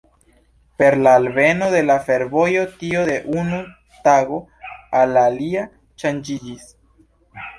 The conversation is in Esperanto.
Per la alveno de la fervojo tio de unu tago al la alia ŝanĝiĝis.